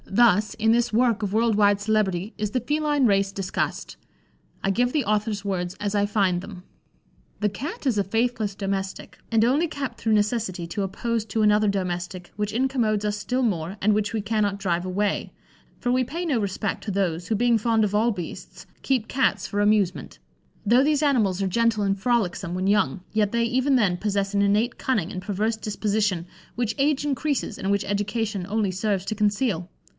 Thus, in this work of world wide celebrity, is the feline race discussed. I give the author's words as I find them: "The Cat is a faithless domestic, and only kept through necessity to oppose to another domestic which incommodes us still more, and which we cannot drive away; for we pay no respect to those, who, being fond of all beasts, keep Cats for amusement. Though these animals are gentle and frolicksome when young, yet they, even then, possess an innate cunning and perverse disposition, which age increases, and which education only serves to conceal.